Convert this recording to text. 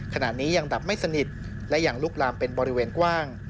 ขณะนี้ยังดับไม่สนิทและยังลุกลามเป็นบริเวณกว้าง